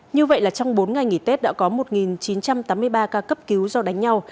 như vậy là trong bốn ngày nghỉ tết đã có một chín trăm tám mươi ba ca cấp cứu do đánh nhau